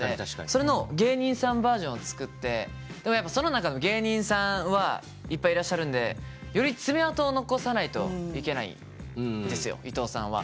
それの芸人さんバージョンを作ってでもやっぱその中の芸人さんはいっぱいいらっしゃるんでより爪痕を残さないといけないんですよ伊藤さんは。